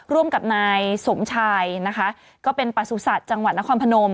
ร่วมกับนายสมชายนะคะก็เป็นประสุทธิ์จังหวัดนครพนม